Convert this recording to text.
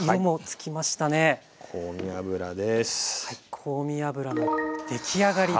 香味油の出来上がりです。